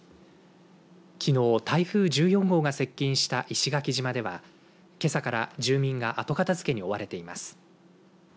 きのう、台風１４号が接近した石垣島ではけさから住民が後片づけに追われています。